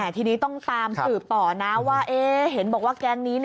ทีนี้ต้องตามสืบต่อนะว่าเห็นบอกว่าแก๊งนี้